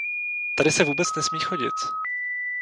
Tady se vůbec nesmí chodit.